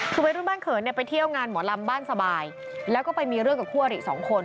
คือวัยรุ่นบ้านเขินเนี่ยไปเที่ยวงานหมอลำบ้านสบายแล้วก็ไปมีเรื่องกับคู่อริสองคน